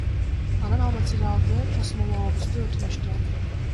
Анан ал материалды тосмолообузду өтүнүштү.